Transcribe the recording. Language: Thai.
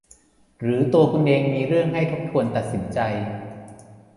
หรือตัวคุณเองมีเรื่องให้ทบทวนตัดสินใจ